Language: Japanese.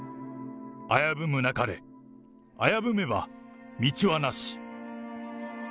危ぶむなかれ、危ぶめば道はなし。